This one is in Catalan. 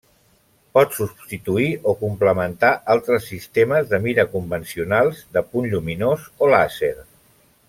Pot substituir o complementar altres sistemes de mira convencionals, de punt lluminós o làser.